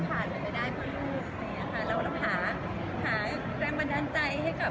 ส่วนใหญ่เพื่อคนว่ามันจะไม่ใช่วันสุดท้ายดีกว่า